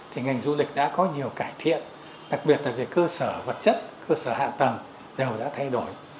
thì ngành du lịch đã có nhiều cải thiện đặc biệt là về cơ sở vật chất cơ sở hạ tầng đều đã thay đổi